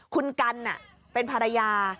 คุณกันเป็นภรรยา